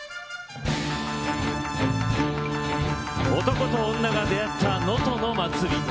男と女が出会った能登の祭り。